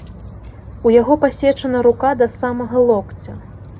У яго пасечана рука да самага локця.